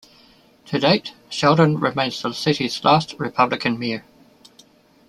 To date, Sheldon remains the city's last Republican mayor.